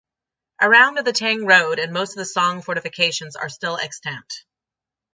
Around of the Tang road and most of the Song fortifications are still extant.